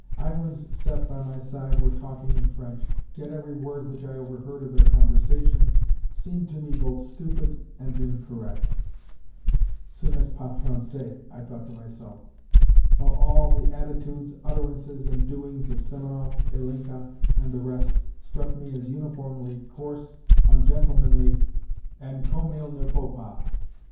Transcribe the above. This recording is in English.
Iwin's set by my side were talking in French, yet every word which I overheard of their conversation seemed to me both stupid and incorrect ("Ce n'est pas francais," I thought to myself), while all the attitudes, utterances, and doings of Semenoff, Ilinka, and the rest struck me as uniformly coarse, ungentlemanly, and "comme il ne faut pas."